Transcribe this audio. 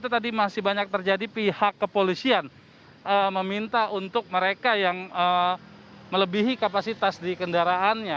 tadi masih banyak terjadi pihak kepolisian meminta untuk mereka yang melebihi kapasitas di kendaraannya